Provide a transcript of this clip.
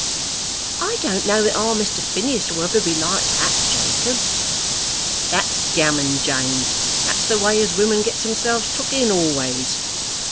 "I don't know that our Mr. Phineas will ever be like that, Jacob." "That's gammon, Jane. That's the way as women gets themselves took in always.